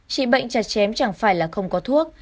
chị bệnh chặt chém chẳng phải là không có thuốc